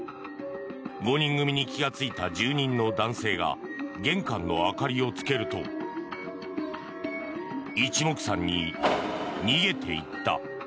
５人組に気がついた住人の男性が玄関の明かりをつけると一目散に逃げていった。